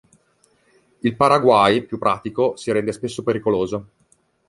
Il Paraguay, più pratico, si rende spesso pericoloso.